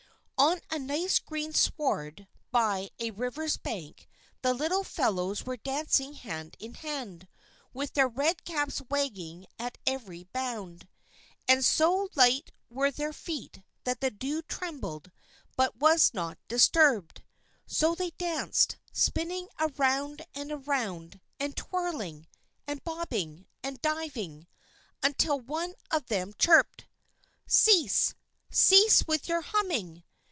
On a nice green sward by a river's bank the little fellows were dancing hand in hand, with their red caps wagging at every bound. And so light were their feet that the dew trembled, but was not disturbed. So they danced, spinning around and around, and twirling, and bobbing, and diving, until one of them chirped: "_Cease! Cease with your humming!